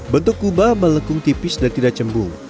bentuk kubah melekung tipis dan tidak cembung